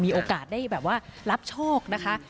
มีโอกาสได้แบบว่ารับโชคนะคะ